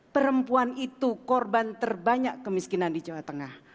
perempuan itu korban terbanyak kemiskinan di jawa tengah